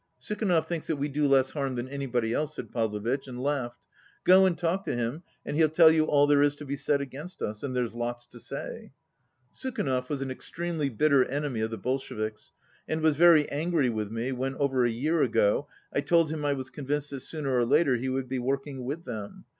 "Sukhanov thinks tjiat we do less harm than anybody else," said Pavlovitch, and laughed. "Go and talk to him and he'll tell you all there is to be said against us. And there's lots to say." Sukhanov was an extremely bitter enemy of the Bolsheviks, and was very angry with me when, over a year ago, I told him I was convinced that sooner or later he would be working with them.